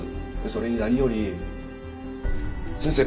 それに何より先生